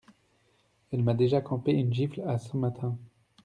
Elle m’a déjà campé une gifle à ce matin.